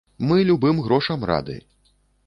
Мы любым грошам рады.